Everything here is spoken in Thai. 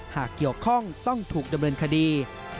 หากเกี่ยวข้องต้องถูกดำเนินคดี